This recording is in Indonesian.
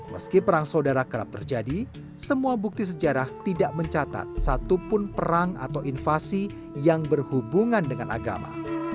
meski perang saudara kerap terjadi semua bukti sejarah tidak mencatat satupun perang atau invasi yang berhubungan dengan agama